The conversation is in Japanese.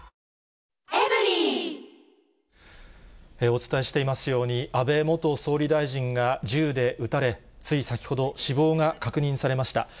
お伝えしていますように、安倍元総理大臣が銃で撃たれ、つい先ほど死亡が確認されました。